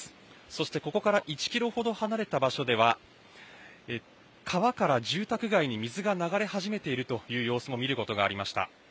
そしてここから１ｋｍほど離れた場所では川から住宅街に水が流れ始めているという様子も見ることがありました。